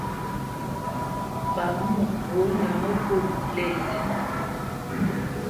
Pamwô kwô nǝ mǝkó lésî.